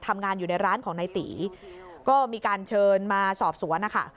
ทำงานอยู่ในร้านของนายตีก็มีการเชิญมาสอบสวนนะคะ